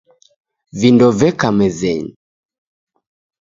Vindo veka mezenyi.